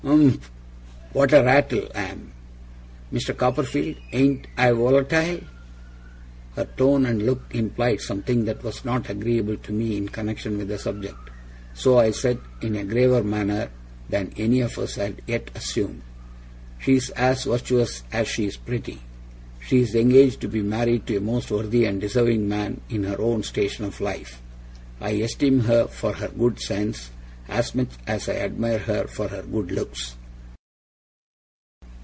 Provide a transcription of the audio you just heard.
'Umph? What a rattle I am! Mr. Copperfield, ain't I volatile?' Her tone and look implied something that was not agreeable to me in connexion with the subject. So I said, in a graver manner than any of us had yet assumed: 'She is as virtuous as she is pretty. She is engaged to be married to a most worthy and deserving man in her own station of life. I esteem her for her good sense, as much as I admire her for her good looks.